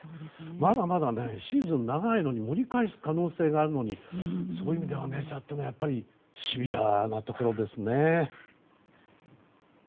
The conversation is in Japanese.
まだまだシーズンは長いのに盛り返す可能性があるのにそういう意味ではメジャーはシビアなところですね。